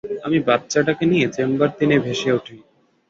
আমি বাচ্চাটাকে নিয়ে চেম্বার তিনে ভেসে উঠি।